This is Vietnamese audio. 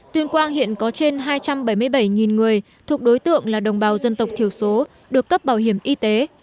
tuyên quang hiện có trên hai trăm bảy mươi bảy người thuộc đối tượng là đồng bào dân tộc thiểu số được cấp bảo hiểm y tế